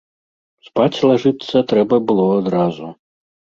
Спаць лажыцца трэба было адразу.